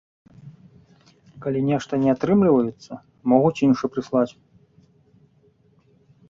Калі нешта не атрымліваецца, могуць іншы прыслаць.